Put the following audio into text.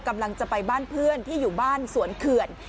กำลังจะไปบ้านเพื่อนที่อยู่บ้านสวนเขื่อน